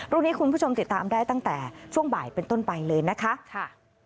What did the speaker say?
รูปนี้คุณผู้ชมติดตามได้ตั้งแต่ช่วงบ่ายเป็นต้นไปเลยนะคะ